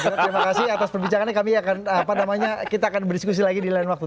terima kasih atas perbincangannya kami akan apa namanya kita akan berdiskusi lagi di lain waktu